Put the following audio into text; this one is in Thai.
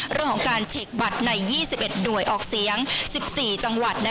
เรื่องของการฉีกบัตรใน๒๑หน่วยออกเสียง๑๔จังหวัด